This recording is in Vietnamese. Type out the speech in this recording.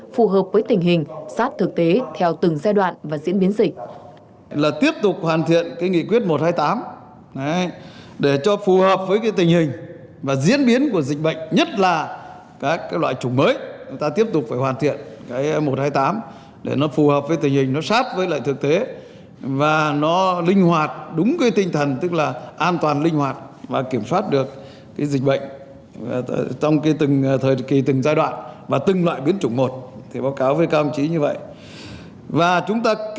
phù hợp với tình hình sát thực tế theo từng giai đoạn và diễn biến dịch